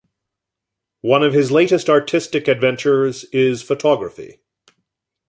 One of his latest artistic adventures is photography.